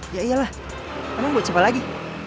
ya iyalah emang buat siapa lagi